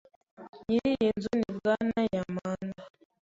Nyiri iyi nzu ni Bwana Yamada.